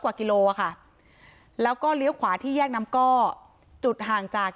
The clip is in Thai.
กิโลอ่ะค่ะแล้วก็เลี้ยวขวาที่แยกน้ำก้อจุดห่างจาก